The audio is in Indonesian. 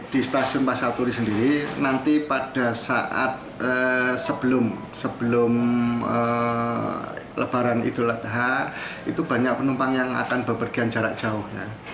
di stasiun pasar turi sendiri nanti pada saat sebelum lebaran idul adha itu banyak penumpang yang akan bepergian jarak jauh